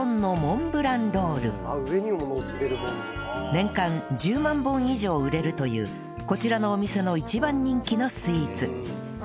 年間１０万本以上売れるというこちらのお店の一番人気のスイーツ